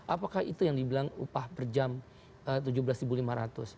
apakah itu yang dibilang upah per jam rp tujuh belas lima ratus